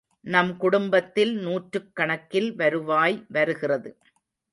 நம் குடும்பத்தில் நூற்றுக் கணக்கில் வருவாய் வருகிறது.